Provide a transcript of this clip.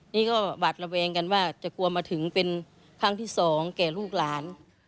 นี่ก็หวัดระแวงกันว่าจะกลัวมาถึงเป็นครั้งที่สองแก่ลูกหลาน